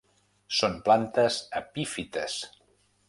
Són plantes epífites.